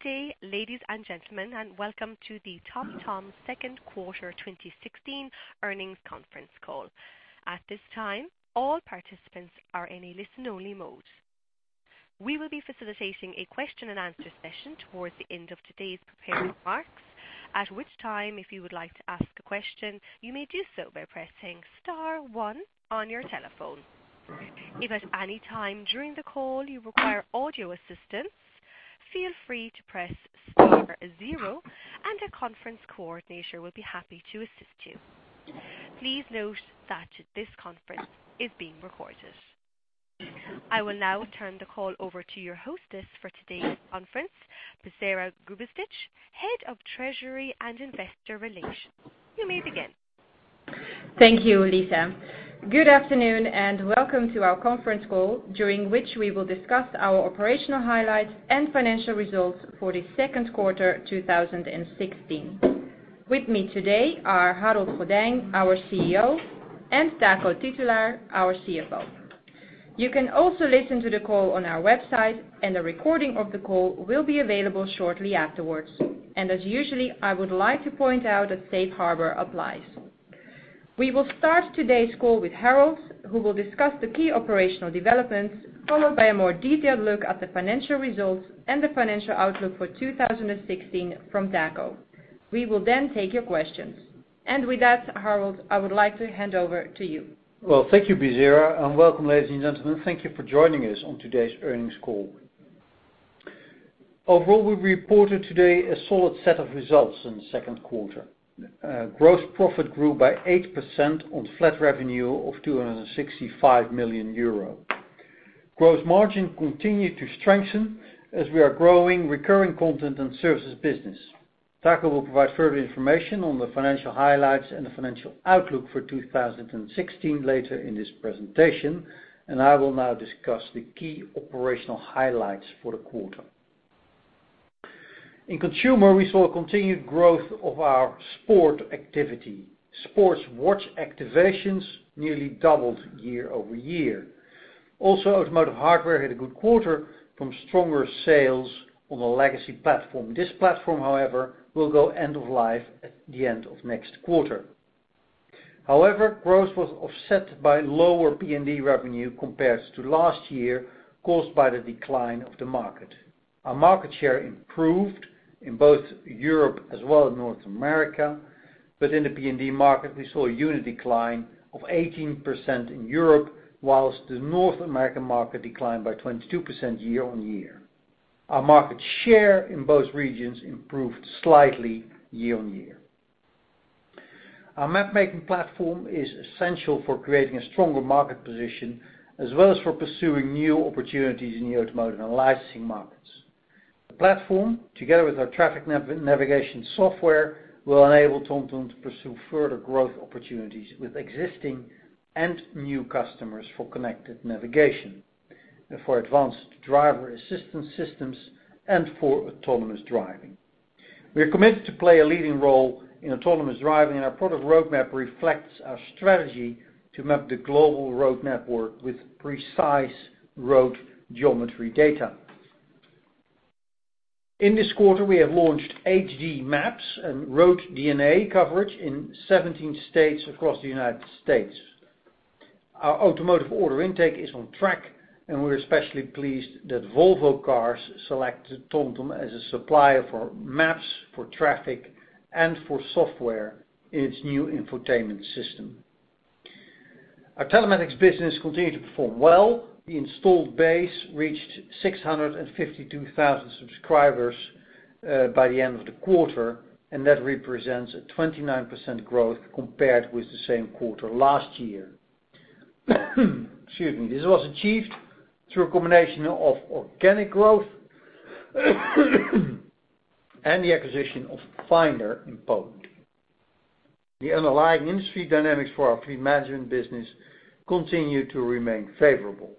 Good day, ladies and gentlemen, and welcome to the TomTom second quarter 2016 earnings conference call. At this time, all participants are in a listen only mode. We will be facilitating a question and answer session towards the end of today's prepared remarks. At which time, if you would like to ask a question, you may do so by pressing star one on your telephone. If at any time during the call you require audio assistance, feel free to press star zero and a conference coordinator will be happy to assist you. Please note that this conference is being recorded. I will now turn the call over to your hostess for today's conference, Bisera Grubesic, Head of Treasury and Investor Relations. You may begin. Thank you, Lisa. Good afternoon and welcome to our conference call, during which we will discuss our operational highlights and financial results for the second quarter 2016. With me today are Harold Goddijn, our CEO, and Taco Titulaer, our CFO. You can also listen to the call on our website, a recording of the call will be available shortly afterwards. As usual, I would like to point out that safe harbor applies. We will start today's call with Harold, who will discuss the key operational developments, followed by a more detailed look at the financial results and the financial outlook for 2016 from Taco. We will then take your questions. With that, Harold, I would like to hand over to you. Well, thank you, Bisera, welcome, ladies and gentlemen. Thank you for joining us on today's earnings call. Overall, we reported today a solid set of results in the second quarter. Gross profit grew by 8% on flat revenue of 265 million euro. Gross margin continued to strengthen as we are growing recurring content and services business. Taco will provide further information on the financial highlights and the financial outlook for 2016 later in this presentation. I will now discuss the key operational highlights for the quarter. In consumer, we saw continued growth of our sport activity. Sports watch activations nearly doubled year-over-year. Automotive hardware had a good quarter from stronger sales on the legacy platform. This platform, however, will go end of life at the end of next quarter. Growth was offset by lower P&D revenue compared to last year, caused by the decline of the market. Our market share improved in both Europe as well as North America. In the P&D market, we saw a unit decline of 18% in Europe, whilst the North American market declined by 22% year-on-year. Our market share in both regions improved slightly year-on-year. Our mapmaking platform is essential for creating a stronger market position, as well as for pursuing new opportunities in the automotive and licensing markets. The platform, together with our traffic navigation software, will enable TomTom to pursue further growth opportunities with existing and new customers for connected navigation, for advanced driver assistance systems and for autonomous driving. We are committed to play a leading role in autonomous driving. Our product roadmap reflects our strategy to map the global road network with precise road geometry data. In this quarter, we have launched HD Map and RoadDNA coverage in 17 states across the U.S. Our automotive order intake is on track, and we're especially pleased that Volvo Cars selected TomTom as a supplier for maps, for traffic, and for software in its new infotainment system. Our telematics business continued to perform well. The installed base reached 652,000 subscribers by the end of the quarter, and that represents a 29% growth compared with the same quarter last year. Excuse me. The acquisition of Finder in Poland achieved this through a combination of organic growth and the acquisition of Finder in Poland. The underlying industry dynamics for our fleet management business continued to remain favorable.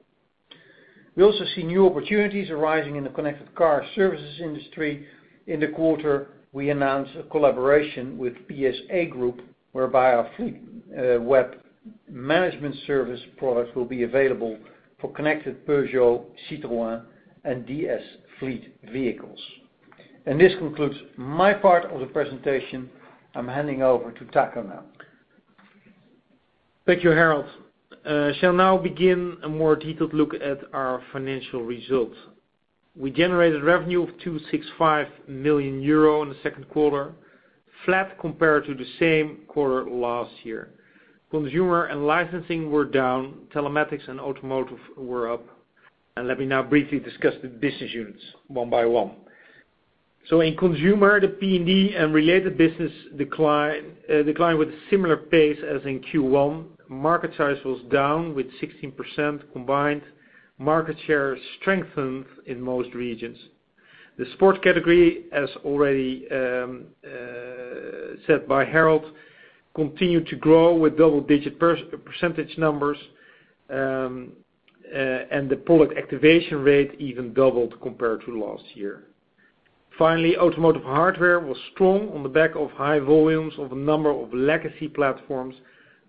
We also see new opportunities arising in the connected car services industry. In the quarter, we announced a collaboration with PSA Group, whereby our fleet web management service product will be available for connected Peugeot, Citroën, and DS fleet vehicles. This concludes my part of the presentation. I'm handing over to Taco now. Thank you, Harold. Shall now begin a more detailed look at our financial results. We generated revenue of 265 million euro in the second quarter, flat compared to the same quarter last year. Consumer and licensing were down, telematics and automotive were up. Let me now briefly discuss the business units one by one. In consumer, the P&D and related business declined with a similar pace as in Q1. Market size was down with 16% combined. Market share strengthened in most regions. The sports category, as already said by Harold, continued to grow with double-digit percentage numbers, and the product activation rate even doubled compared to last year. Finally, automotive hardware was strong on the back of high volumes of a number of legacy platforms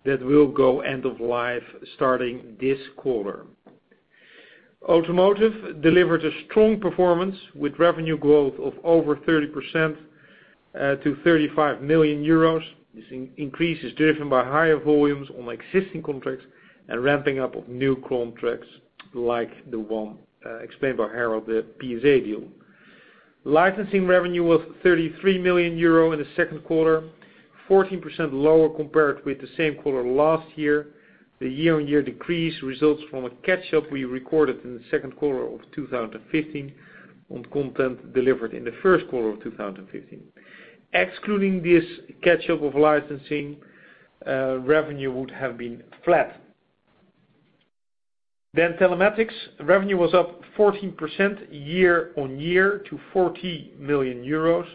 that will go end of life starting this quarter. Automotive delivered a strong performance with revenue growth of over 30% to 35 million euros. This increase is driven by higher volumes on existing contracts and ramping up of new contracts, like the one explained by Harold, the PSA deal. Licensing revenue was 33 million euro in the second quarter, 14% lower compared with the same quarter last year. The year-on-year decrease results from a catch-up we recorded in the second quarter of 2015 on content delivered in the first quarter of 2015. Excluding this catch-up of licensing, revenue would have been flat. Telematics. Revenue was up 14% year-on-year to 40 million euros.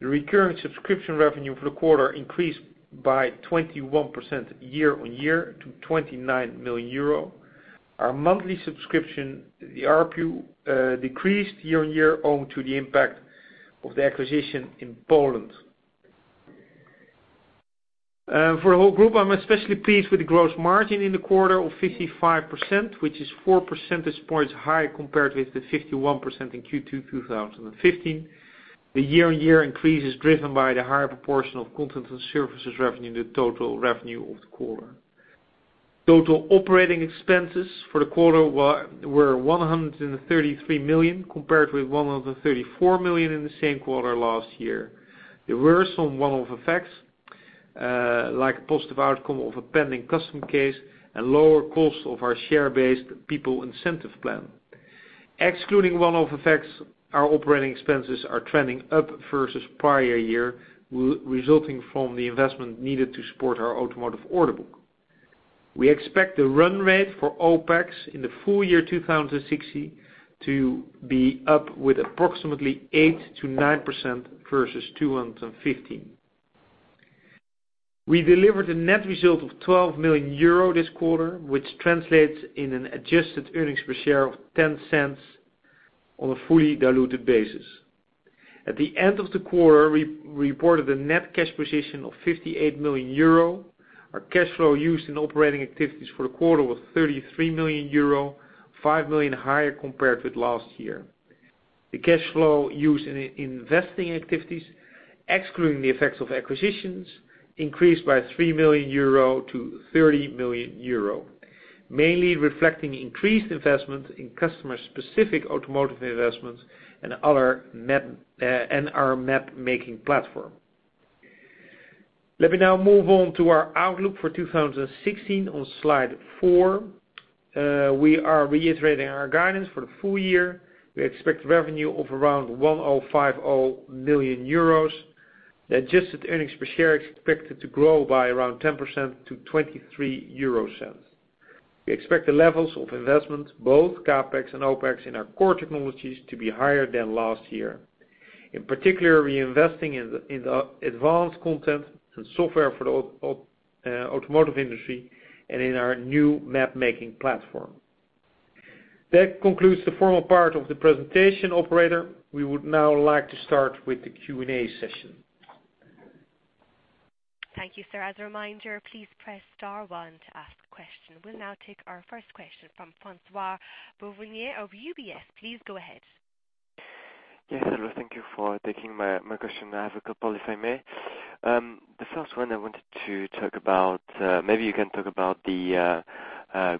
The recurring subscription revenue for the quarter increased by 21% year-on-year to 29 million euro. Our monthly subscription, the ARPU, decreased year-on-year owing to the impact of the acquisition in Poland. For the whole group, I'm especially pleased with the gross margin in the quarter of 55%, which is 4 percentage points higher compared with the 51% in Q2 2015. The year-on-year increase is driven by the higher proportion of content and services revenue in the total revenue of the quarter. Total operating expenses for the quarter were 133 million, compared with 134 million in the same quarter last year. There were some one-off effects, like a positive outcome of a pending customs case and lower cost of our share-based people incentive plan. Excluding one-off effects, our OpEx are trending up versus prior year, resulting from the investment needed to support our automotive order book. We expect the run rate for OpEx in the full year 2016 to be up with approximately 8%-9% versus 2015. We delivered a net result of 12 million euro this quarter, which translates in an adjusted earnings per share of 0.10 on a fully diluted basis. At the end of the quarter, we reported a net cash position of 58 million euro. Our cash flow used in operating activities for the quarter was 33 million euro, 5 million higher compared with last year. The cash flow used in investing activities, excluding the effects of acquisitions, increased by 3 million euro to 30 million euro. Mainly reflecting increased investment in customer-specific automotive investments and our map-making platform. Let me now move on to our outlook for 2016 on slide four. We are reiterating our guidance for the full year. We expect revenue of around 1,050 million euros. The adjusted earnings per share is expected to grow by around 10% to 0.23. We expect the levels of investment, both CapEx and OpEx, in our core technologies to be higher than last year. In particular, we're investing in the advanced content and software for the automotive industry and in our new map-making platform. That concludes the formal part of the presentation, operator. We would now like to start with the Q&A session. Thank you, sir. As a reminder, please press star one to ask a question. We'll now take our first question from François Bouvignies. of UBS. Please go ahead. Yes, hello, thank you for taking my question. I have a couple, if I may. The first one I wanted to talk about, maybe you can talk about the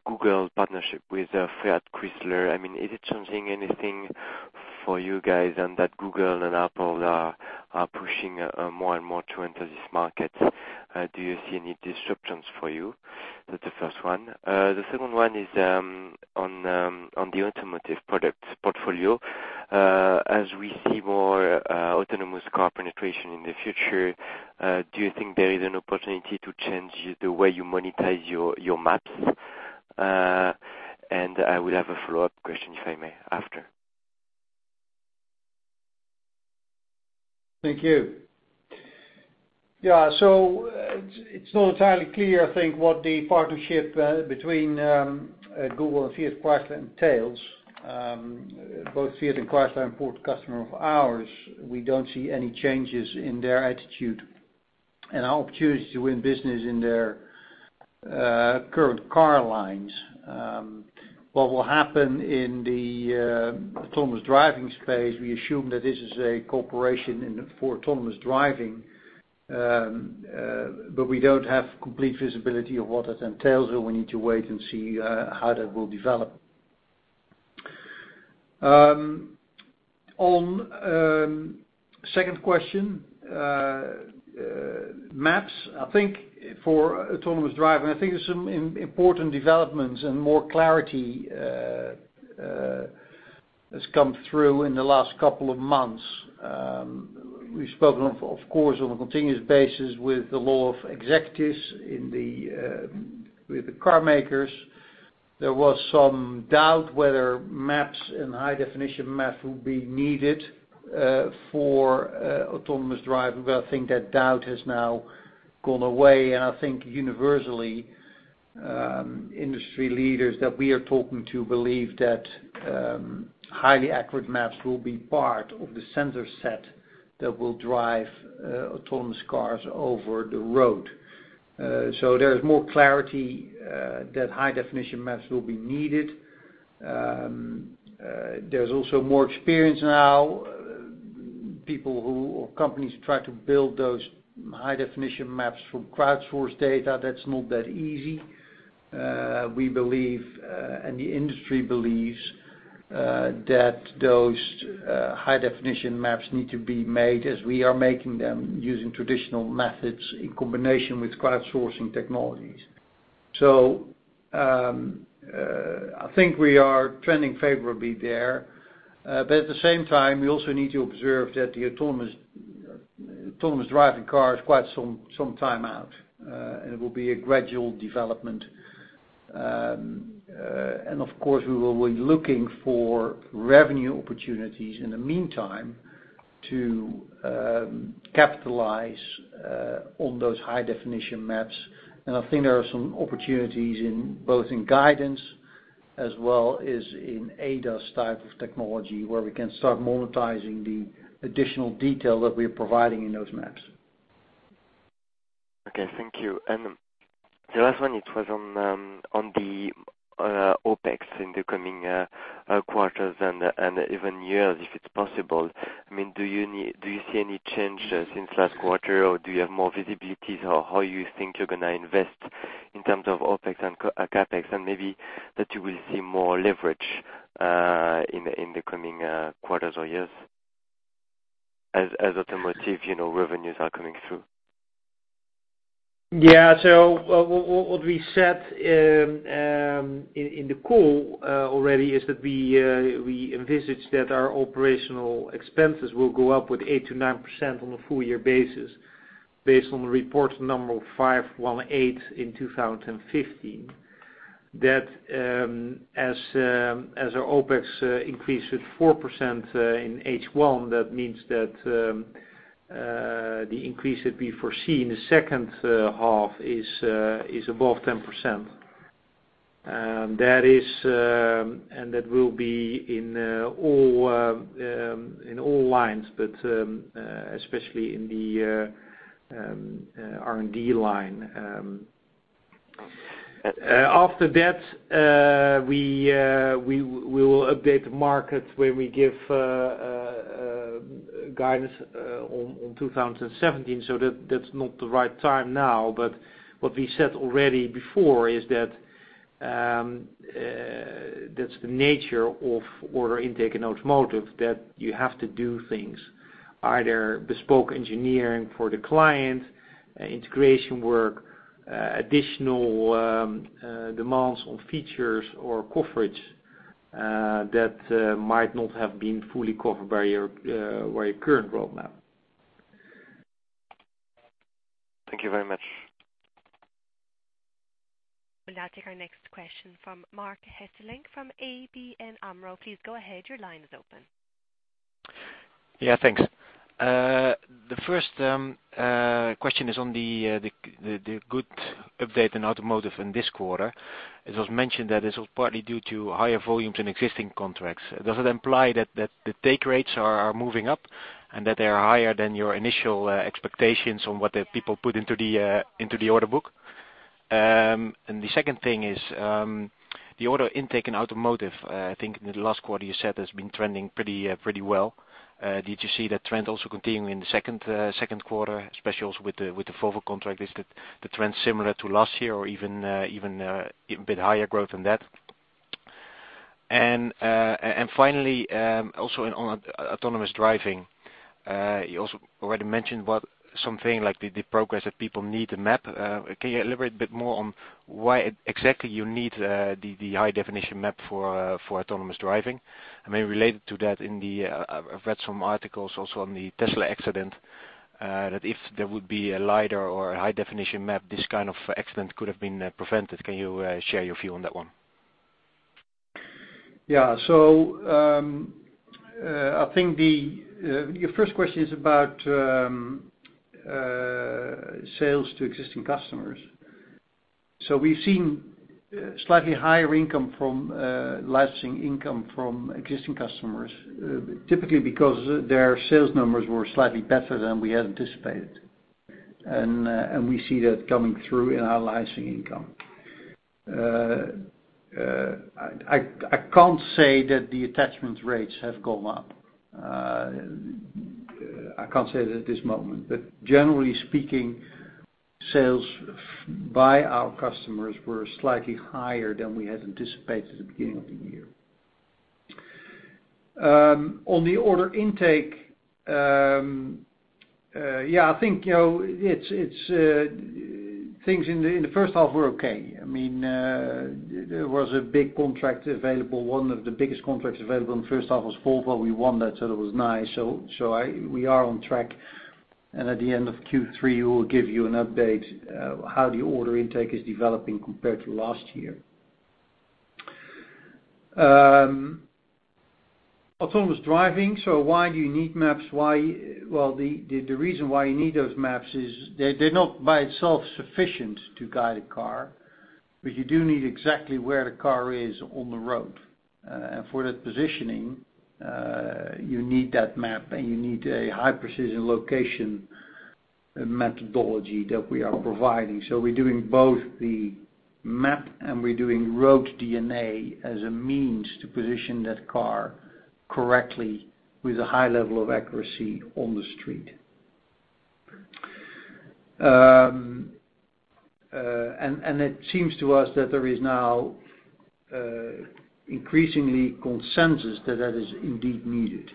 Google partnership with Fiat Chrysler. Is it changing anything for you guys that Google and Apple are pushing more and more to enter this market? Do you see any disruptions for you? That's the first one. The second one is on the automotive product portfolio. As we see more autonomous car penetration in the future, do you think there is an opportunity to change the way you monetize your maps? I would have a follow-up question, if I may, after. Thank you. Yeah. It's not entirely clear, I think, what the partnership between Google and Fiat Chrysler entails. Both Fiat and Chrysler are important customer of ours. We don't see any changes in their attitude and our opportunity to win business in their current car lines. What will happen in the autonomous driving space, we assume that this is a cooperation for autonomous driving, but we don't have complete visibility of what that entails, and we need to wait and see how that will develop. On second question, maps. I think for autonomous driving, I think there's some important developments and more clarity has come through in the last couple of months. We've spoken, of course, on a continuous basis with a lot of executives with the car makers. There was some doubt whether maps and high-definition maps will be needed for autonomous driving, I think that doubt has now gone away. I think universally, industry leaders that we are talking to believe that highly accurate maps will be part of the sensor set that will drive autonomous cars over the road. There is more clarity that high-definition maps will be needed. There's also more experience now People or companies try to build those high-definition maps from crowdsourced data. That's not that easy. We believe, the industry believes, that those high-definition maps need to be made as we are making them, using traditional methods in combination with crowdsourcing technologies. I think we are trending favorably there. At the same time, we also need to observe that the autonomous driving car is quite some time out, and it will be a gradual development. Of course, we will be looking for revenue opportunities in the meantime to capitalize on those high-definition maps. I think there are some opportunities both in guidance as well as in ADAS type of technology, where we can start monetizing the additional detail that we're providing in those maps. Okay, thank you. The last one, it was on the OpEx in the coming quarters and even years, if it's possible. Do you see any changes since last quarter, or do you have more visibility? Or how you think you're going to invest in terms of OpEx and CapEx, and maybe that you will see more leverage in the coming quarters or years, as automotive revenues are coming through? Yeah. What we said in the call already is that we envisage that our operational expenses will go up with 8%-9% on a full year basis, based on the report number of 518 million in 2015. That as our OpEx increased with 4% in H1, that means that the increase that we foresee in the second half is above 10%. That will be in all lines, but especially in the R&D line. After that, we will update the market when we give guidance on 2017, so that's not the right time now. What we said already before is that's the nature of order intake in automotive, that you have to do things, either bespoke engineering for the client, integration work, additional demands on features or coverage that might not have been fully covered by your current roadmap. Thank you very much. We'll now take our next question from Marc Hesselink from ABN AMRO. Please go ahead. Your line is open. Thanks. The first question is on the good update in automotive in this quarter. It was mentioned that this was partly due to higher volumes in existing contracts. Does it imply that the take rates are moving up and that they are higher than your initial expectations on what the people put into the order book? The second thing is, the order intake in automotive, I think in the last quarter you said has been trending pretty well. Did you see that trend also continuing in the second quarter, especially with the Volvo contract? Is the trend similar to last year or even a bit higher growth than that? Finally, also on autonomous driving, you also already mentioned something like the progress that people need the map. Can you elaborate a bit more on why exactly you need the HD Map for autonomous driving? Maybe related to that, I've read some articles also on the Tesla accident, that if there would be a lidar or a HD Map, this kind of accident could have been prevented. Can you share your view on that one? I think your first question is about sales to existing customers. We've seen slightly higher licensing income from existing customers, typically because their sales numbers were slightly better than we had anticipated. We see that coming through in our licensing income. I can't say that the attachment rates have gone up. I can't say that at this moment. Generally speaking, sales by our customers were slightly higher than we had anticipated at the beginning of the year. On the order intake, I think things in the first half were okay. There was a big contract available. One of the biggest contracts available in the first half was Volvo. We won that, so that was nice. We are on track, and at the end of Q3, we will give you an update how the order intake is developing compared to last year. Autonomous driving, why do you need maps? The reason why you need those maps is they're not by itself sufficient to guide a car, but you do need exactly where the car is on the road. For that positioning, you need that map, and you need a high-precision location - a methodology that we are providing. We're doing both the map, and we're doing RoadDNA as a means to position that car correctly with a high level of accuracy on the street. It seems to us that there is now increasingly consensus that that is indeed needed.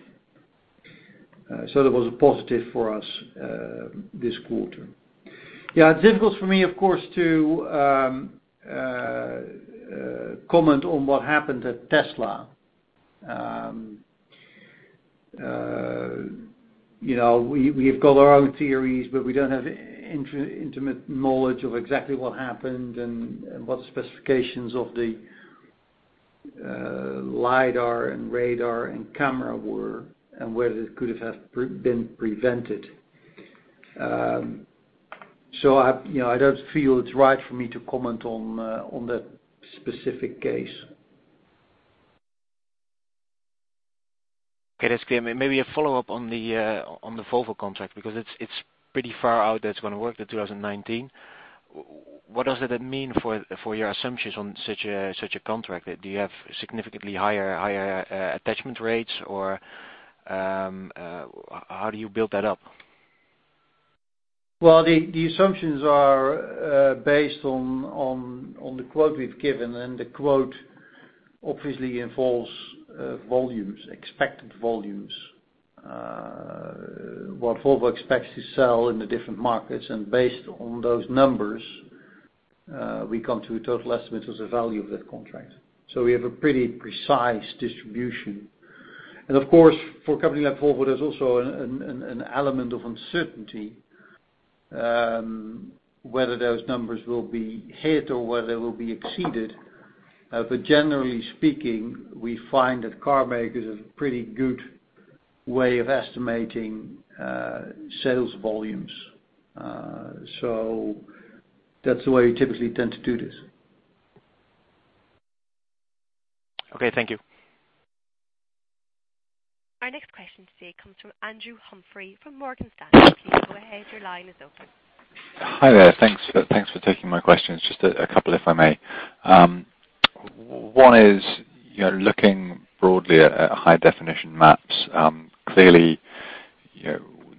That was a positive for us this quarter. It's difficult for me, of course, to comment on what happened at Tesla. We've got our own theories, but we don't have intimate knowledge of exactly what happened and what specifications of the lidar and radar and camera were, and whether this could have been prevented. I don't feel it's right for me to comment on that specific case. Okay. That's clear. Maybe a follow-up on the Volvo contract, because it's pretty far out that it's going to work, the 2019. What does that mean for your assumptions on such a contract? Do you have significantly higher attachment rates, or how do you build that up? Well, the assumptions are based on the quote we've given, and the quote obviously involves volumes, expected volumes, what Volvo expects to sell in the different markets. Based on those numbers, we come to a total estimate of the value of that contract. We have a pretty precise distribution. Of course, for a company like Volvo, there's also an element of uncertainty, whether those numbers will be hit or whether they will be exceeded. Generally speaking, we find that car makers have a pretty good way of estimating sales volumes. That's the way we typically tend to do this. Okay, thank you. Our next question today comes from Andrew Humphrey from Morgan Stanley. Please go ahead. Your line is open. Hi there. Thanks for taking my questions. Just a couple, if I may. One is, looking broadly at High-Definition Maps. Clearly,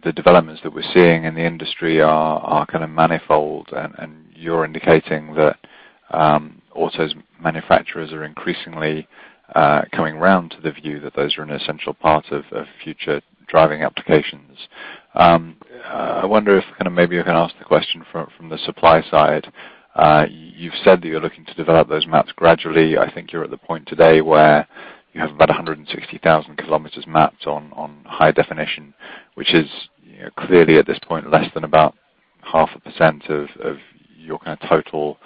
the developments that we're seeing in the industry are kind of manifold, and you're indicating that autos manufacturers are increasingly coming around to the view that those are an essential part of future driving applications. I wonder if, maybe you can ask the question from the supply side. You've said that you're looking to develop those maps gradually. I think you're at the point today where you have about 160,000 km mapped on high definition, which is clearly at this point, less than about 0.5% of your total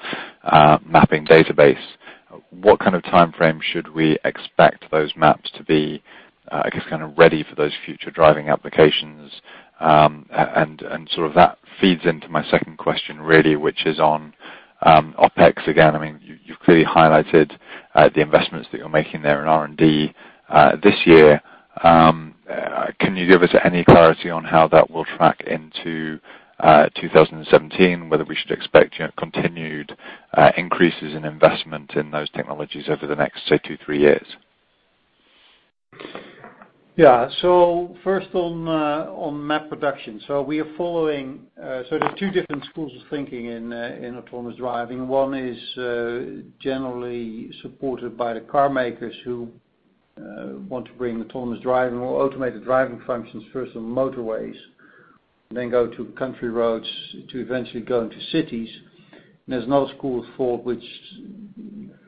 mapping database. What kind of timeframe should we expect those maps to be, I guess, ready for those future driving applications? That feeds into my second question, really, which is on OpEx. Again, you've clearly highlighted the investments that you're making there in R&D this year. Can you give us any clarity on how that will track into 2017, whether we should expect continued increases in investment in those technologies over the next, say, two, three years? Yeah. First on map production. There's two different schools of thinking in autonomous driving. One is generally supported by the car makers who want to bring autonomous driving or automated driving functions first on motorways, then go to country roads to eventually go into cities. There's another school of thought which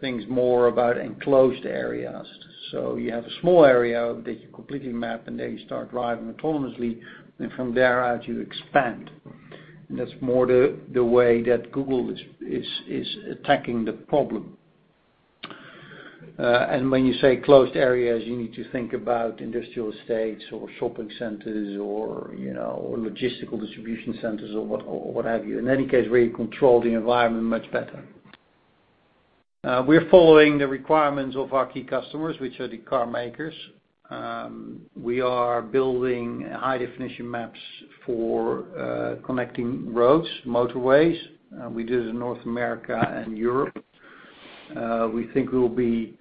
thinks more about enclosed areas. You have a small area that you completely map, and then you start driving autonomously, and from there out, you expand. That's more the way that Google is attacking the problem. When you say closed areas, you need to think about industrial estates or shopping centers or logistical distribution centers or what have you. In any case, where you control the environment much better. We're following the requirements of our key customers, which are the car makers. We are building High-Definition Maps for connecting roads, motorways. We do this in North America and Europe. We think we'll be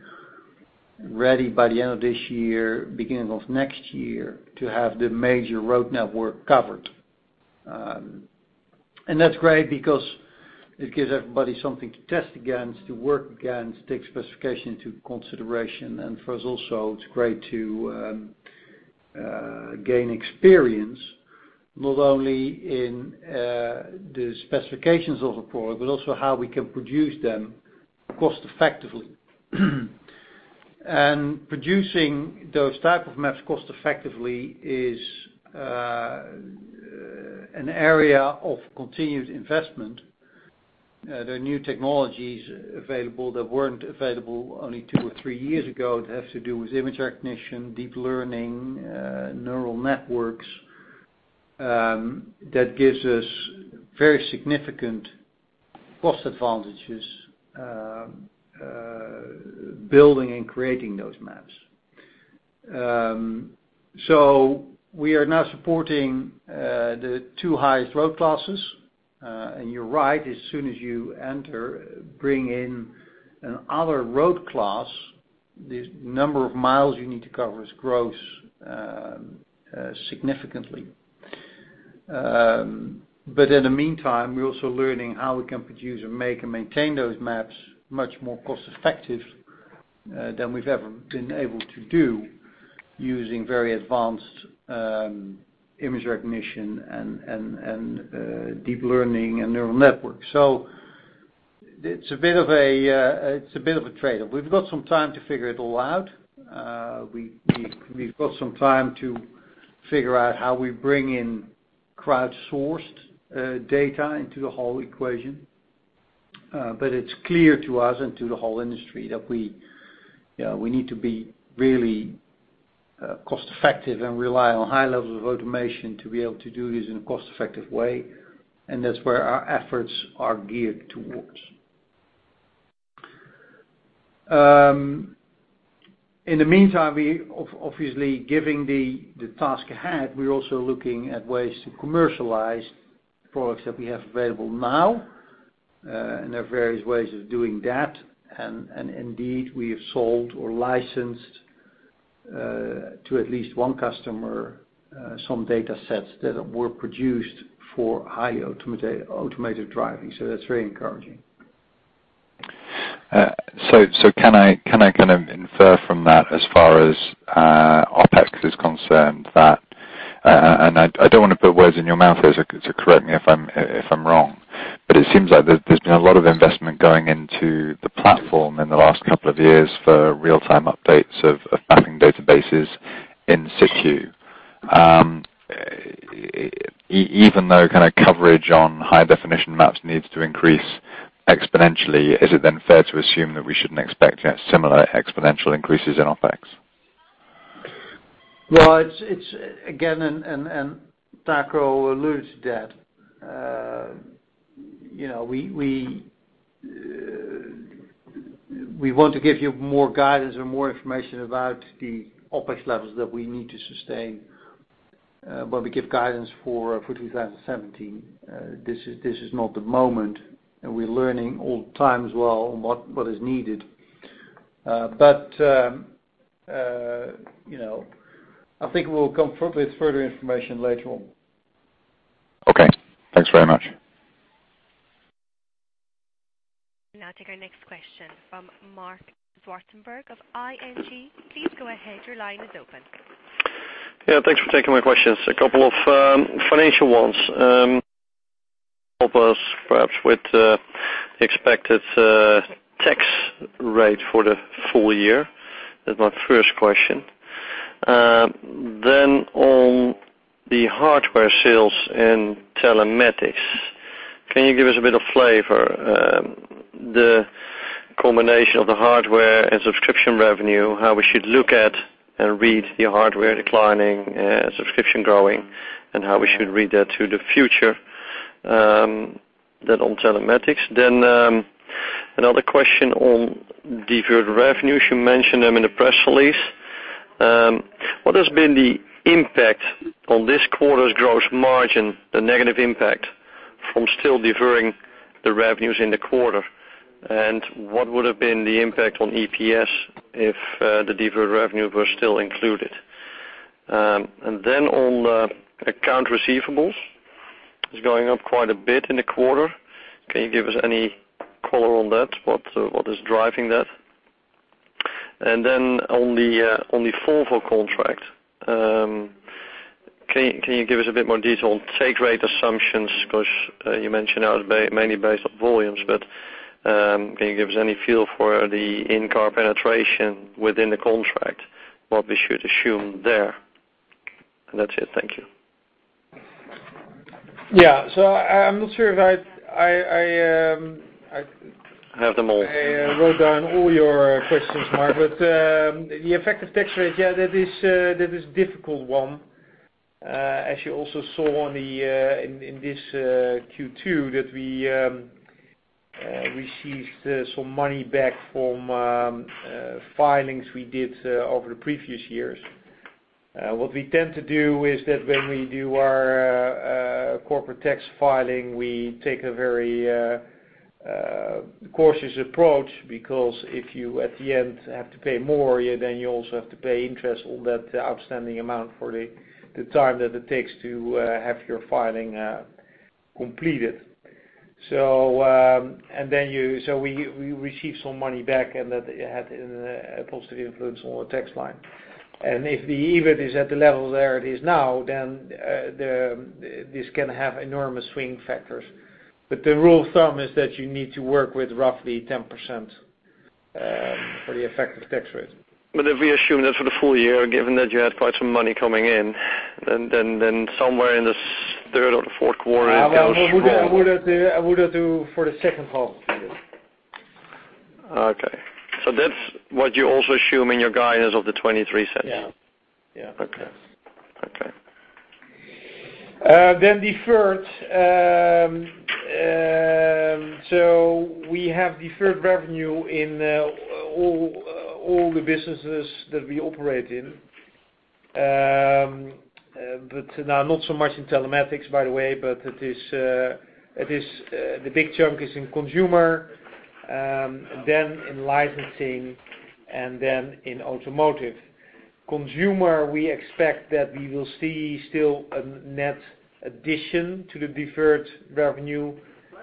ready by the end of this year, beginning of next year, to have the major road network covered. That's great because it gives everybody something to test against, to work against, take specification into consideration. For us also, it's great to gain experience, not only in the specifications of a product, but also how we can produce them cost effectively. Producing those type of maps cost effectively is an area of continued investment. There are new technologies available that weren't available only two or three years ago that have to do with image recognition, deep learning, neural networks. That gives us very significant cost advantages, building and creating those maps. We are now supporting the two highest road classes. You're right, as soon as you enter, bring in another road class, the number of miles you need to cover grows significantly. In the meantime, we're also learning how we can produce or make and maintain those maps much more cost-effective than we've ever been able to do using very advanced image recognition and deep learning and neural networks. It's a bit of a tradeoff. We've got some time to figure it all out. We've got some time to figure out how we bring in crowdsourced data into the whole equation. It's clear to us and to the whole industry that we need to be really cost-effective and rely on high levels of automation to be able to do this in a cost-effective way, and that's where our efforts are geared towards. In the meantime, obviously, given the task ahead, we're also looking at ways to commercialize products that we have available now. There are various ways of doing that. Indeed, we have sold or licensed to at least one customer some data sets that were produced for highly automated driving. That's very encouraging. Can I kind of infer from that as far as OpEx is concerned, that, and I don't want to put words in your mouth, so correct me if I'm wrong, but it seems like there's been a lot of investment going into the platform in the last couple of years for real-time updates of mapping databases in situ. Even though kind of coverage on high-definition maps needs to increase exponentially, is it then fair to assume that we shouldn't expect similar exponential increases in OpEx? Well, it's again. Taco alluded to that. We want to give you more guidance and more information about the OpEx levels that we need to sustain when we give guidance for 2017. This is not the moment, and we're learning all the time as well on what is needed. I think we'll come with further information later on. Okay. Thanks very much. We'll now take our next question from Marc Zwartsenburg of ING. Please go ahead. Your line is open. Yeah, thanks for taking my questions. A couple of financial ones. Help us perhaps with the expected tax rate for the full year. That's my first question. On the hardware sales and telematics, can you give us a bit of flavor, the combination of the hardware and subscription revenue, how we should look at and read the hardware declining, subscription growing, and how we should read that to the future? That on telematics. Then another question on deferred revenue. You mentioned them in the press release. What has been the impact on this quarter's gross margin, the negative impact from still deferring the revenues in the quarter? What would have been the impact on EPS if the deferred revenue were still included? On account receivables, it's going up quite a bit in the quarter. Can you give us any color on that? What is driving that? On the Volvo contract, can you give us a bit more detail on take rate assumptions? You mentioned that was mainly based on volumes, but can you give us any feel for the in-car penetration within the contract, what we should assume there? That's it. Thank you. Yeah. I'm not sure if I Have them all. I wrote down all your questions, Marc. The effective tax rate, yeah, that is a difficult one. You also saw in this Q2 that we received some money back from filings we did over the previous years. What we tend to do is that when we do our corporate tax filing, we take a very cautious approach, because if you, at the end, have to pay more, then you also have to pay interest on that outstanding amount for the time that it takes to have your filing completed. We received some money back, that had a positive influence on the tax line. If the EBIT is at the level where it is now, then this can have enormous swing factors. The rule of thumb is that you need to work with roughly 10% for the effective tax rate. If we assume that for the full year, given that you had quite some money coming in, then somewhere in the third or the fourth quarter it goes wrong. I would do for the second half. That's what you also assume in your guidance of 0.23. Yeah. Okay. Deferred. We have deferred revenue in all the businesses that we operate in. Not so much in Telematics, by the way, but the big chunk is in Consumer, in Licensing, and in Automotive. Consumer, we expect that we will see still a net addition to the deferred revenue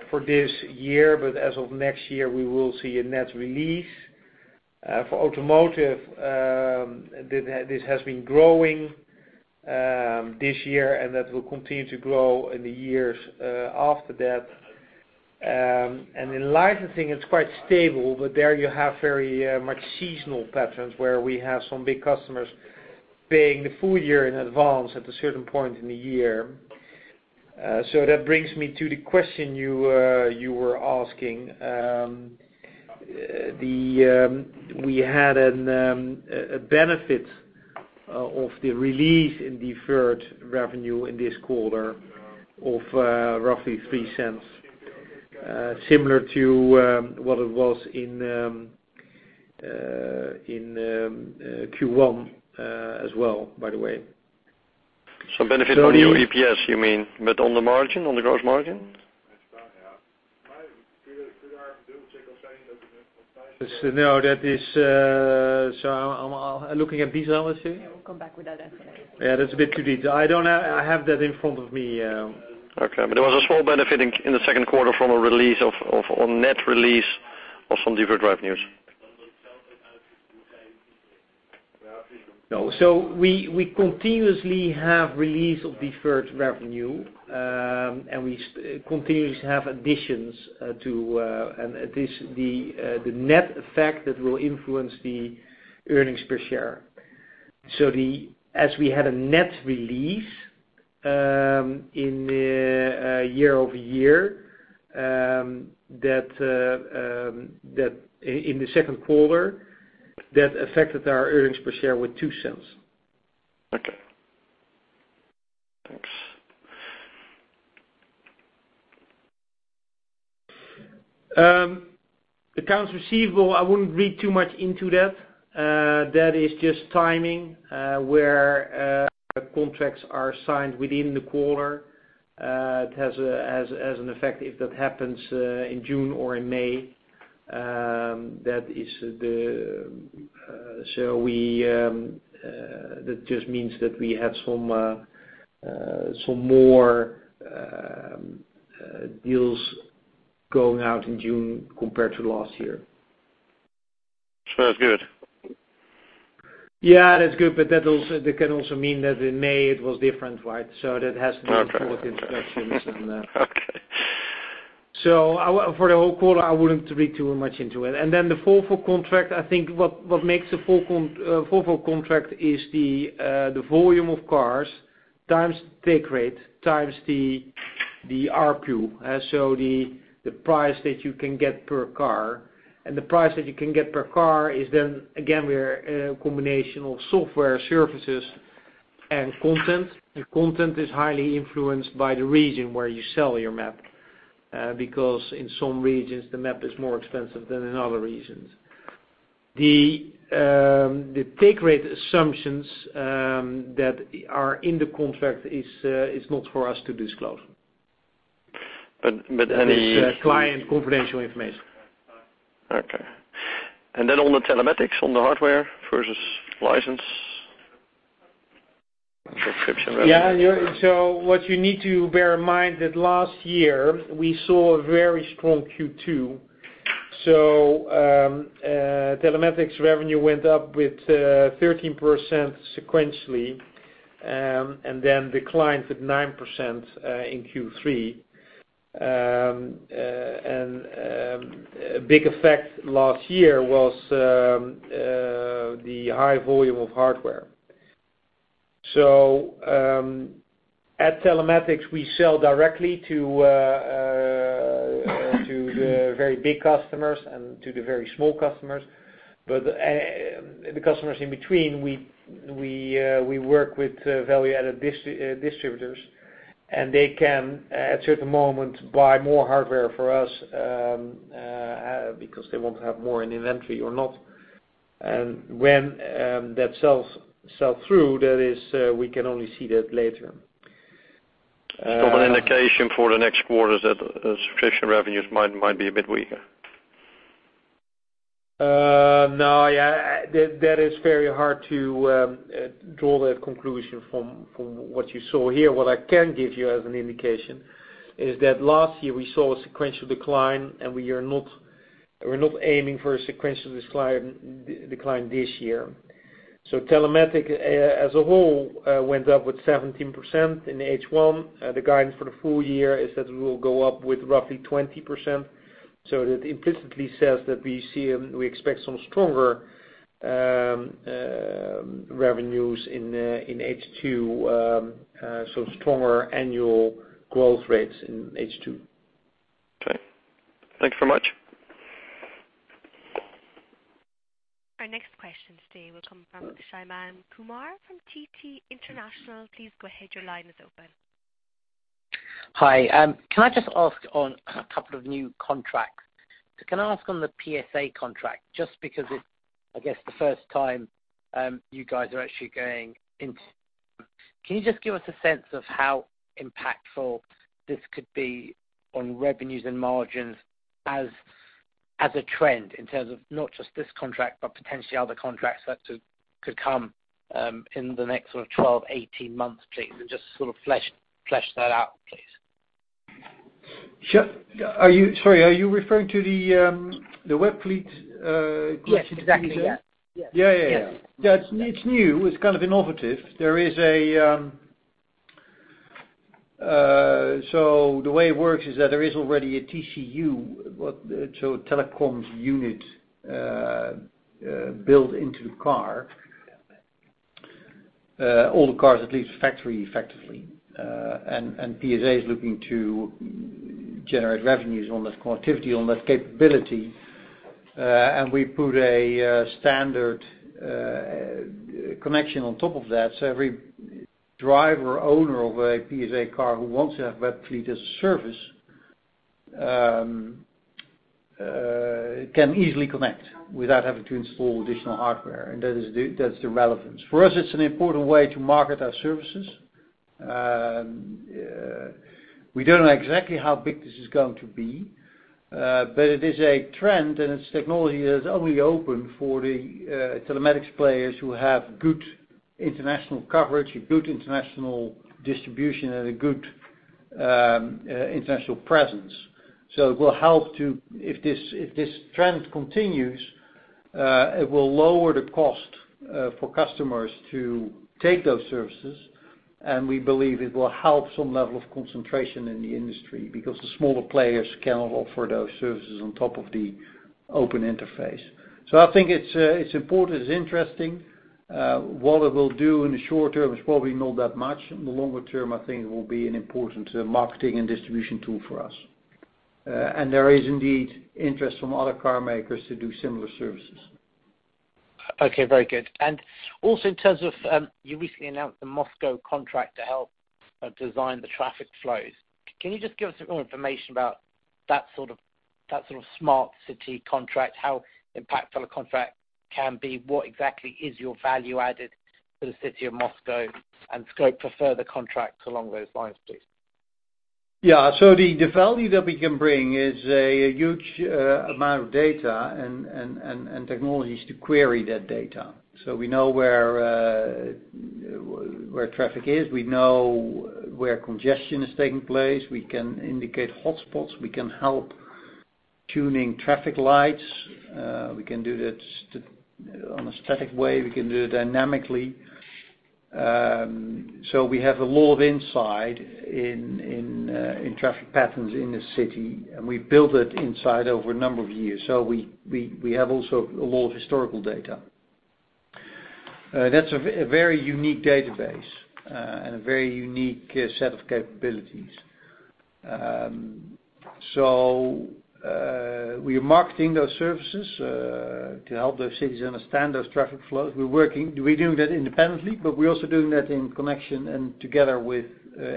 for this year, but as of next year, we will see a net release. For Automotive, this has been growing this year, and that will continue to grow in the years after that. In Licensing, it's quite stable, but there you have very much seasonal patterns where we have some big customers paying the full year in advance at a certain point in the year. That brings me to the question you were asking. We had a benefit of the release in deferred revenue in this quarter of roughly 0.03. Similar to what it was in Q1 as well, by the way. Some benefit on your EPS, you mean, but on the margin, on the gross margin? No. I'm looking at Bisera, let's see. Yeah, we'll come back with that after. Yeah, that's a bit too deep. I don't have that in front of me. Okay. There was a small benefit in the second quarter from a net release of some deferred revenues. No. We continuously have release of deferred revenue, we continuously have additions to, the net effect that will influence the earnings per share. As we had a net release in year-over-year, in the second quarter, that affected our earnings per share with 0.02. Okay. Thanks. Accounts receivable, I wouldn't read too much into that. That is just timing, where contracts are signed within the quarter. It has an effect if that happens in June or in May. That just means that we had some more deals going out in June compared to last year. That's good. Yeah, that's good, that can also mean that in May it was different, right? That has to be Okay. put in perspective, no. Okay. For the whole quarter, I wouldn't read too much into it. The Volvo contract, I think what makes the Volvo contract is the volume of cars, times take rate, times the ARPU. The price that you can get per car. The price that you can get per car is then, again, we're a combination of software services and content, and content is highly influenced by the region where you sell your map. In some regions, the map is more expensive than in other regions. The take rate assumptions that are in the contract is not for us to disclose. But any- It is client confidential information. Okay. On the telematics, on the hardware versus license subscription revenue. Yeah. What you need to bear in mind that last year, we saw a very strong Q2. Telematics revenue went up with 13% sequentially, then declined with 9% in Q3. A big effect last year was the high volume of hardware. At Telematics, we sell directly to the very big customers and to the very small customers. The customers in between, we work with value-added distributors, and they can, at a certain moment, buy more hardware for us, because they want to have more in inventory or not. When that sells through, that is, we can only see that later. An indication for the next quarters that subscription revenues might be a bit weaker. No, that is very hard to draw that conclusion from what you saw here. What I can give you as an indication is that last year, we saw a sequential decline, and we're not aiming for a sequential decline this year. Telematics, as a whole, went up with 17% in H1. The guidance for the full year is that we'll go up with roughly 20%. That implicitly says that we expect some stronger revenues in H2, so stronger annual growth rates in H2. Okay. Thank you so much. Our next question today will come from Shyam Kumar from TT International. Please go ahead. Your line is open. Hi. Can I just ask on a couple of new contracts? Can I ask on the PSA contract, just because it's, I guess, the first time you guys are actually. Can you just give us a sense of how impactful this could be on revenues and margins as a trend in terms of not just this contract, but potentially other contracts that could come in the next sort of 12, 18 months please, and just sort of flesh that out please? Sorry, are you referring to the WEBFLEET- Yes, exactly. Yeah. It is new. It is kind of innovative. The way it works is that there is already a TCU, so a telematics unit, built into the car. All the cars that leave the factory effectively. PSA is looking to generate revenues on this connectivity, on this capability. We put a standard connection on top of that, so every driver, owner of a PSA car who wants to have WEBFLEET as a service, can easily connect without having to install additional hardware, and that is the relevance. For us, it is an important way to market our services. We do not know exactly how big this is going to be. It is a trend, and it is technology that is only open for the telematics players who have good international coverage, a good international distribution, and a good international presence. It will help to, if this trend continues, it will lower the cost for customers to take those services, and we believe it will help some level of concentration in the industry, because the smaller players cannot offer those services on top of the open interface. I think it is important, it is interesting. What it will do in the short term is probably not that much. In the longer term, I think it will be an important marketing and distribution tool for us. There is indeed interest from other car makers to do similar services. Very good. Also in terms of, you recently announced the Moscow contract to help design the traffic flows. Can you just give us a bit more information about that sort of smart city contract, how impactful a contract can be? What exactly is your value added to the city of Moscow, and scope for further contracts along those lines, please? The value that we can bring is a huge amount of data and technologies to query that data. We know where traffic is. We know where congestion is taking place. We can indicate hotspots. We can help tuning traffic lights. We can do that on a static way. We can do it dynamically. We have a lot of insight in traffic patterns in the city, and we have built it inside over a number of years. We have also a lot of historical data. That is a very unique database, and a very unique set of capabilities. We are marketing those services, to help those cities understand those traffic flows. We are working, we are doing that independently, but we are also doing that in connection and together with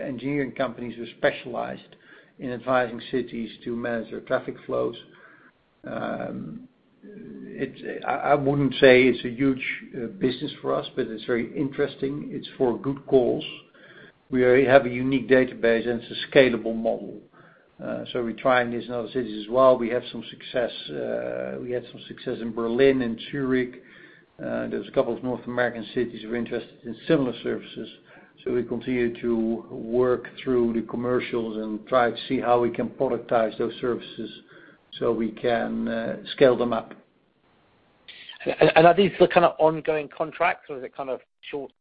engineering companies who specialized in advising cities to manage their traffic flows. I wouldn't say it's a huge business for us, but it's very interesting. It's for a good cause. We already have a unique database, and it's a scalable model. We're trying this in other cities as well. We had some success in Berlin and Zurich. There's a couple of North American cities who are interested in similar services. We continue to work through the commercials and try to see how we can productize those services so we can scale them up. Are these the kind of ongoing contracts or is it kind of short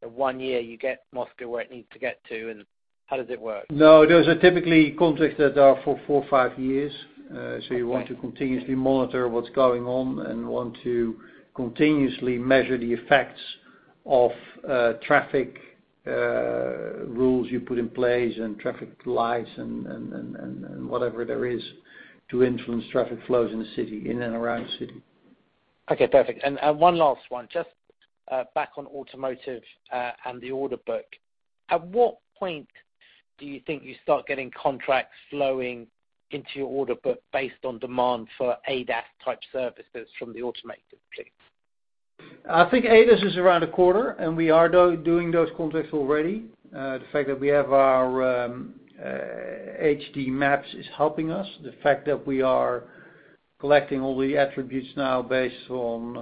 to one year, you get Moscow where it needs to get to and how does it work? No, those are typically contracts that are for four or five years. You want to continuously monitor what's going on and want to continuously measure the effects of traffic rules you put in place and traffic lights and whatever there is to influence traffic flows in the city, in and around the city. Okay, perfect. One last one. Just back on automotive, and the order book. At what point do you think you start getting contracts flowing into your order book based on demand for ADAS type services from the automotive fleet? I think ADAS is around a quarter. We are doing those contracts already. The fact that we have our HD Map is helping us. The fact that we are collecting all the attributes now based on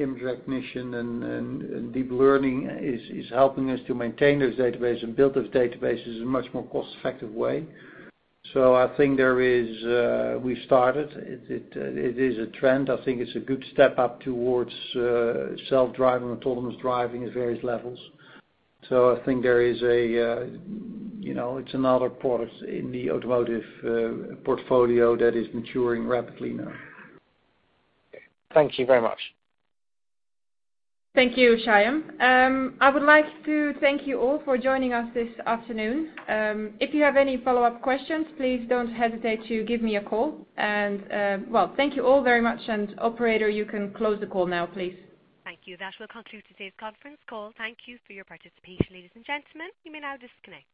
image recognition and deep learning is helping us to maintain those databases and build those databases in a much more cost-effective way. I think we've started. It is a trend. I think it's a good step up towards self-driving, autonomous driving at various levels. I think it's another product in the automotive portfolio that is maturing rapidly now. Thank you very much. Thank you, Shyam. I would like to thank you all for joining us this afternoon. If you have any follow-up questions, please don't hesitate to give me a call. Well, thank you all very much, operator, you can close the call now, please. Thank you. That will conclude today's conference call. Thank you for your participation ladies and gentlemen. You may now disconnect.